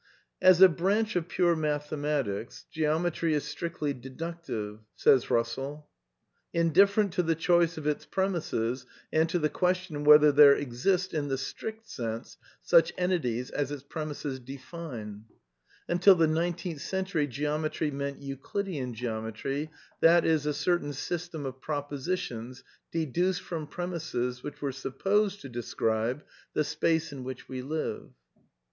^^ As a branch of pure mathematics Geometry is strictly de ductive; indifferent to the choice of its premisses and to the question whether there exist (in the strict sense) such entities as its premisses define." (Principia Mathematica, p. 372.) *' Until the nineteenth century Geometry meant Euclidean Geometry, i,e., a certain system of propositions deduced from premisses which were supposed to describe the space in which we live.'